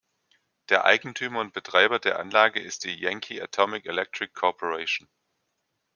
Der Eigentümer und Betreiber der Anlage ist die Yankee Atomic Electric Corporation.